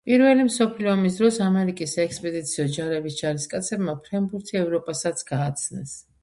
პირველი მსოფლიო ომის დროს ამერიკის საექსპედიციო ჯარების ჯარისკაცებმა ფრენბურთი ევროპასაც გააცნეს.